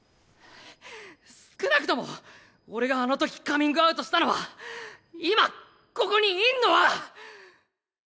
少なくとも俺があのときカミングアウトしたのは今ここにいんのは。